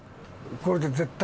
これで絶対。